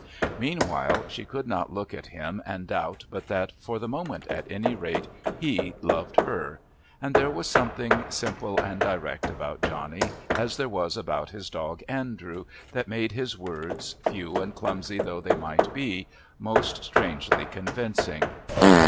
Meanwhile she could not look at him and doubt but that, for the moment at any rate, he loved her and there was something simple and direct about Johnny as there was about his dog Andrew, that made his words, few and clumsy though they might be, most strangely convincing.